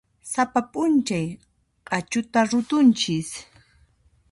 Sapa p'unchay q'achuta rutunchis.